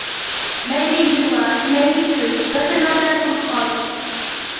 مەيلى يىغلا، مەيلى كۈل، ۋەتىنىڭدە تۇرۇپ قال.